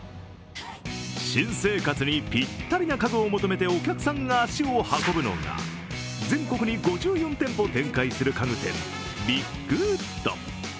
新生活にぴったりな家具を求めてお客さんが足を運ぶのは全国に５４店舗展開する家具店ビッグウッド。